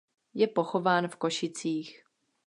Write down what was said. Je pochován v Košicích.